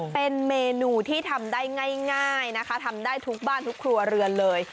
เป็นเมนูที่ทำได้ง่ายนะคะทำได้ทุกบ้านทุกครัวเรือนเลย